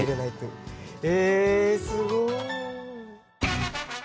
えすごい。